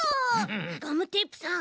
ガムテープさん。